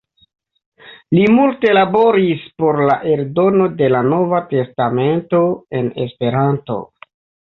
Li multe laboris por la eldono de la Nova testamento en Esperanto.